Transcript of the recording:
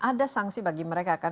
ada sanksi bagi mereka kan